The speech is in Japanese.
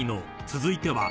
［続いては］